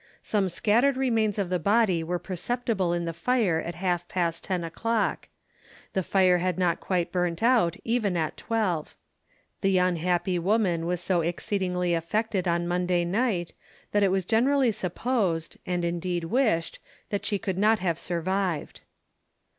Some scattered remains of the body were perceptible in the fire at half past ten o'clock. The fire had not quite burnt out even at twelve. The unhappy woman was so exceedingly affected on Monday night, that it was generally supposed (and indeed wished) that she could not have survived.